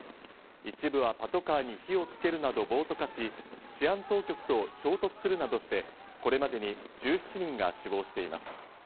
一部はパトカーに火をつけるなど暴徒化し、治安当局と衝突するなどして、これまでに１７人が死亡しています。